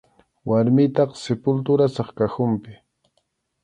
Warmiytaqa sepulturasaq cajonpi.